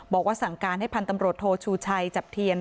บอกว่าสั่งการให้พันธ์ตำรวจโทชูชัยจับเทียน